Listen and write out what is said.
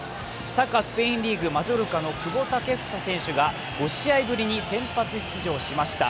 サッカースペインリーグマジョルカの久保健英選手が５試合ぶりに先発出場しました。